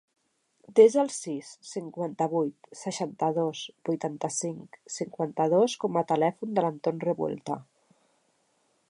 Desa el sis, cinquanta-vuit, seixanta-dos, vuitanta-cinc, cinquanta-dos com a telèfon de l'Anton Revuelta.